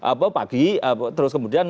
apa pagi terus kemudian